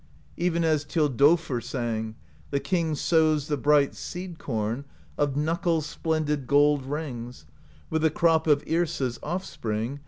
Even as Thjodolfr sang: The king sovi^s the bright seed corn Of knuckle splendid gold rings, With the crop of Yrsa's offspring.